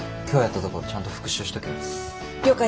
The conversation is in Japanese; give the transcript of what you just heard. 今日やったとこちゃんと復習しとけよ。